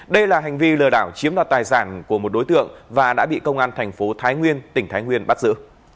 đây là hành vi lừa đảo chiếm đoạt tài sản của một đối tượng và đã bị công an thành phố thái nguyên tỉnh thái nguyên bắt giữ